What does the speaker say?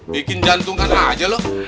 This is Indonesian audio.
bikin jantung kan aja loh